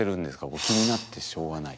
もう気になってしょうがない。